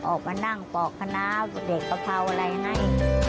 ออกมานั่งปอกคณะเด็กกะเพราอะไรยังไง